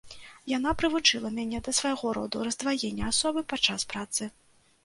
Яна прывучыла мяне да свайго роду раздваення асобы падчас працы.